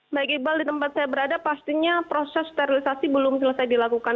baik iqbal di tempat saya berada pastinya proses sterilisasi belum selesai dilakukan